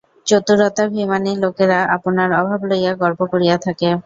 চতুরতাভিমানী লোকেরা আপনার অভাব লইয়া গর্ব করিয়া থাকে।